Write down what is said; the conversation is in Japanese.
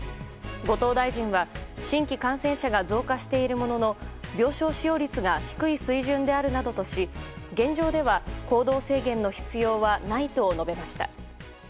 後藤大臣は新規感染者が増加しているものの病床使用率が低い水準であるなどとし現状では行動制限の必要はないと述べました。